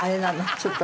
ちょっと。